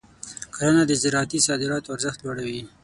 کرنه د زراعتي صادراتو ارزښت لوړوي.